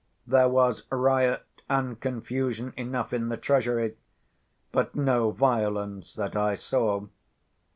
There was riot and confusion enough in the treasury, but no violence that I saw.